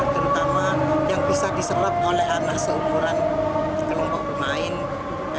terutama yang bisa diserap oleh anak seumuran kelompok pemain ra dan ita